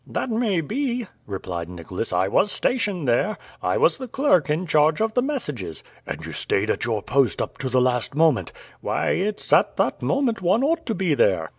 "That may be," replied Nicholas. "I was stationed there. I was the clerk in charge of the messages." "And you stayed at your post up to the last moment?" "Why, it's at that moment one ought to be there!"